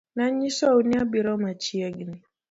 Nanyisou ni abiro machiegni